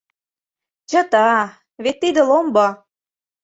— Чыта... вет тиде ломбо.